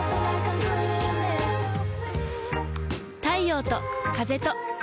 太陽と風と